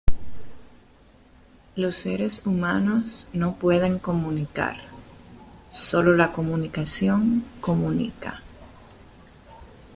Los seres humanos no pueden comunicar, ""solo la comunicación comunica"".